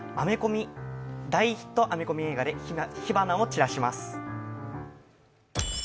大ヒットアメコミ映画で火花を散らします。